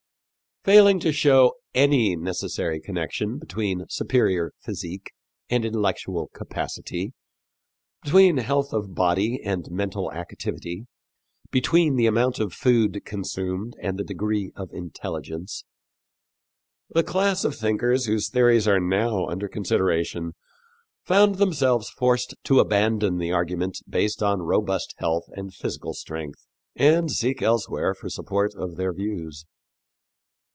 Failing to show any necessary connection between superior physique and intellectual capacity, between health of body and mental activity, between the amount of food consumed and the degree of intelligence, the class of thinkers whose theories are now under consideration found themselves forced to abandon the argument based on robust health and physical strength and seek elsewhere for support of their views.